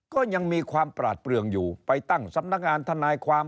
ก็ยังมีความปราดเปลืองอยู่ไปตั้งสำนักงานทนายความ